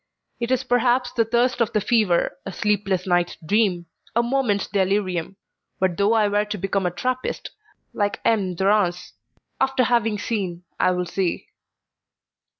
It is perhaps the thirst of the fever, a sleepless night's dream, a moment's delirium; but though I were to become a Trappist, like M. de Rance', after having seen, I will see."